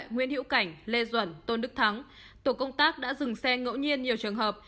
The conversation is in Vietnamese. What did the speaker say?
nguyễn hữu cảnh lê duẩn tôn đức thắng tổ công tác đã dừng xe ngẫu nhiên nhiều trường hợp